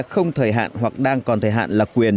không thời hạn hoặc đang còn thời hạn là quyền